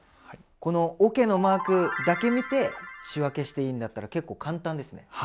このおけのマークだけ見て仕分けしていいんだったら結構簡単ですね。